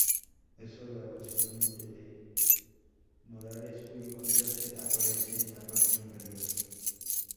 Es obra, posiblemente, de H. Morales, cuyo contraste aparece en la parte inferior.